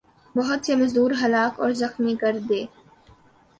ہت سے مزدور ہلاک اور زخمی کر دے